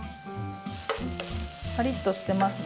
パリッとしてますね。